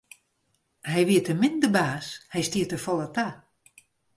Hy wie te min de baas, hy stie te folle ta.